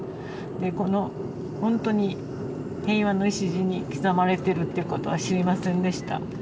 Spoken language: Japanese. このほんとに平和の礎に刻まれてるっていうことは知りませんでした。